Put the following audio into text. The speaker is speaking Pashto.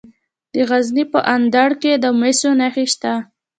د غزني په اندړ کې د مسو نښې شته.